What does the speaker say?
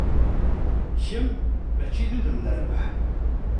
Kem, mačči d udem n rrbeḥ.